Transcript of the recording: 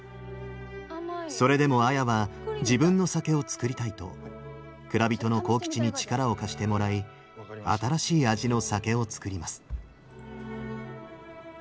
それでも綾は自分の酒を造りたいと蔵人の幸吉に力を貸してもらい新しい味の酒を造ります。